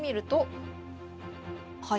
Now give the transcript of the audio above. はい。